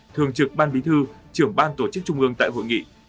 thường trực ban bí thư trưởng ban tổ chức trung ương tại hội nghị